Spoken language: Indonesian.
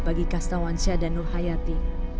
bagi kastawan syah dan nur hayati